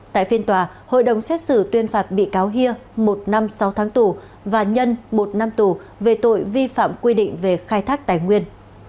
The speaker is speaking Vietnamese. tại phiên tòa hội đồng xét xử tuyên phạt bị cáo hia một năm sáu tháng tù và nhân một năm tù về tội vi phạm quy định về khai thác tài nguyên